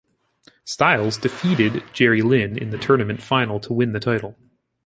Styles defeated Jerry Lynn in the tournament final to win the title.